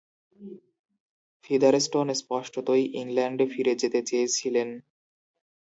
Featherstone স্পষ্টতই ইংল্যান্ডে ফিরে যেতে চেয়েছিলেন।